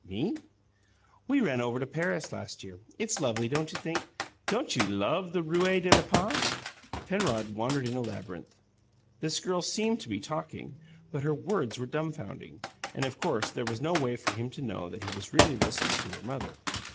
"Me?" "We ran over to Paris last year. It's lovely, don't you think? Don't you LOVE the Rue de la Paix?" Penrod wandered in a labyrinth. This girl seemed to be talking, but her words were dumfounding, and of course there was no way for him to know that he was really listening to her mother.